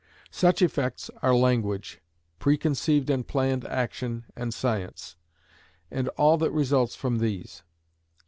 Such effects are language, preconceived and planned action and science, and all that results from these.